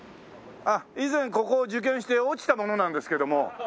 以前ここを受験して落ちた者なんですけども。